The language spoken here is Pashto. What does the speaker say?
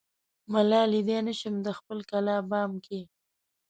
ملا ليدای نه شم دخپلې کلا بام کې